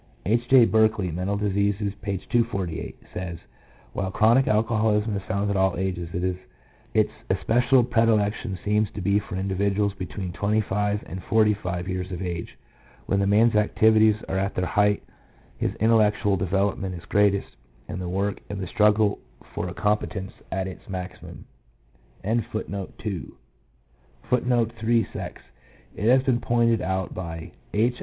H. J. Berkley, Mental Diseases, p. 248, says: — "While chronic alcoholism is found at all ages, its especial predilection seems to be for individuals between twenty five and forty five years of age, when the man's activities are at their height, his intellectual develop ment is greatest, and the work in the struggle for a competence at its maximum." 3 It has been pointed out by H.